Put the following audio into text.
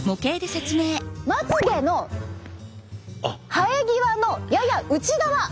まつげの生え際のやや内側！